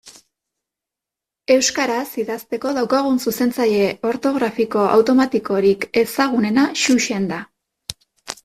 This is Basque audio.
Euskaraz idazteko daukagun zuzentzaile ortografiko automatikorik ezagunena Xuxen da.